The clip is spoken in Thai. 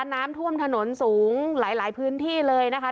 น้ำท่วมถนนสูงหลายพื้นที่เลยนะคะ